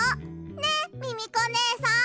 ねっミミコねえさん。